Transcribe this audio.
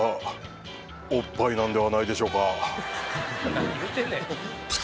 「何言うてんねん」